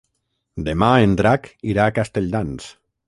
Demà en Drac irà a Castelldans.